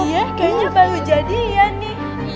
iya kayaknya baru jadi ya nih